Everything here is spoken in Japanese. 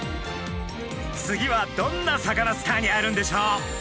次はどんなサカナスターに会えるんでしょう？